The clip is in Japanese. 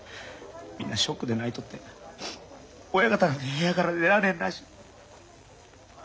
みんなショックで泣いとって親方かて部屋から出られんらしい。